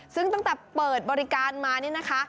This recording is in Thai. ซึ่งตั้งแต่เปิดบริการมานี่นะคะ